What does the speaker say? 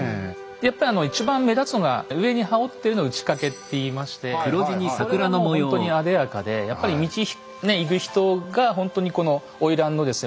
やっぱり一番目立つのが上に羽織ってるの打掛っていいましてこれがもうほんとにあでやかでやっぱり道行く人がほんとにこの花魁のですね